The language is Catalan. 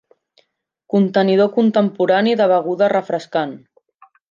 Contenidor contemporani de beguda refrescant.